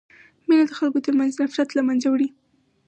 مینه د خلکو ترمنځ نفرت له منځه وړي.